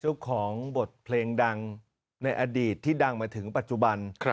เจ้าของบทเพลงดังในอดีตที่ดังมาถึงปัจจุบัน